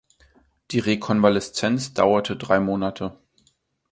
Die Rekonvaleszenz dauerte drei Monate.